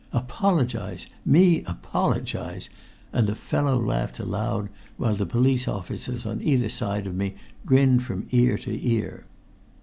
"Apologize! Me apologize!" And the fellow laughed aloud, while the police officers on either side of me grinned from ear to ear.